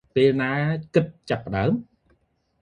ពេលណាគិតចាប់ផ្តើម?